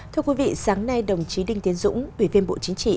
thưa quý vị sáng nay đồng chí đinh tiến dũng ủy viên bộ chính trị